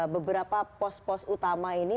beberapa pos pos utama ini